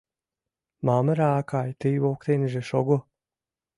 Мамыра акай, тый воктенже шого...